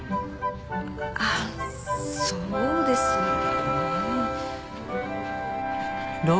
あっそうですよね。